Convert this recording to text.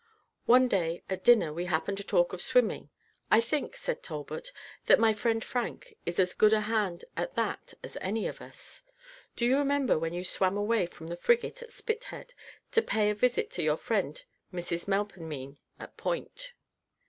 One day at dinner we happened to talk of swimming. "I think," said Talbot, "that my friend Frank is as good a hand at that as any of us. Do you remember when you swam away from the frigate at Spithead, to pay a visit to your friend, Mrs Melpomene, at Point?"